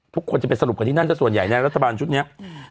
ทุกคนจะไปสรุปกันที่นั่นสักส่วนใหญ่แล้วรัฐบาลชุดนี้